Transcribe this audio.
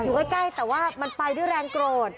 มันชอบแต่ว่ามันไปด้วยแรงโกรธ